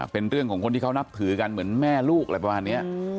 เป็นเรื่องของคนที่เขานับถือกันเหมือนแม่ลูกอะไรประมาณนี้